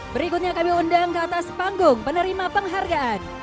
berikutnya kami undang ke atas panggung penerima penghargaan